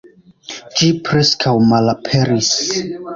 Ĝi preskaŭ malaperis.